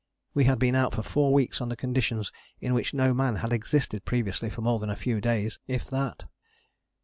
We had been out for four weeks under conditions in which no man had existed previously for more than a few days, if that.